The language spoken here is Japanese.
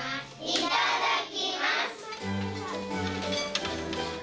いただきます。